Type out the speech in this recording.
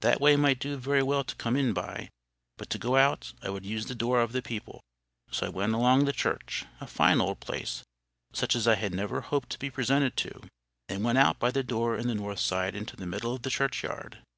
That way might do very well to come in by; but to go out, I would use the door of the people. So I went along the church, a fine old place, such as I had never hoped to be presented to, and went out by the door in the north side into the middle of the churchyard.